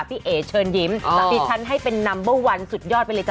พี่เอ๋เชิญยิ้มแต่พี่ฉันให้เป็นนัมเบอร์๑สุดยอดไปเลยจ้ะ